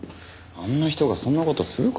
あんな人がそんな事するかな？